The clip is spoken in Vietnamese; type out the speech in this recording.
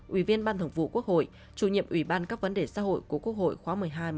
ủy viên ban thường vụ quốc hội chủ nhiệm ủy ban các vấn đề xã hội của quốc hội khóa một mươi hai một mươi ba